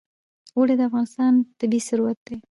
اوړي د افغانستان طبعي ثروت دی.